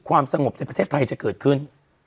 ความสงบในประเทศไทยจะเกิดขึ้น